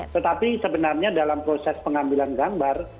tetapi sebenarnya dalam proses pengambilan gambar